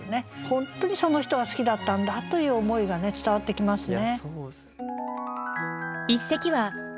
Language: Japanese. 本当にその人が好きだったんだという思いが伝わってきますね。